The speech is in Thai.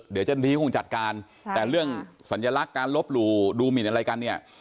เดี๋ยวเจ้าหน้าที่คงจัดการแต่เรื่องสัญลักษณ์การลบหลู่ดูหมินอะไรกันเนี่ย